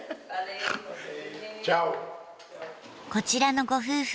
こちらのご夫婦